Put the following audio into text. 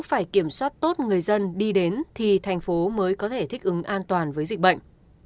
phải kiểm soát tốt người dân đi đến thì thành phố mới có thể thích ứng an toàn với dịch bệnh